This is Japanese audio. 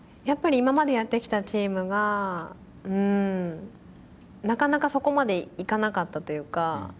やっぱり今までやってきたチームがなかなかそこまでいかなかったというか。